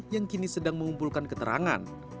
yang kini sedang mengumpulkan keterangan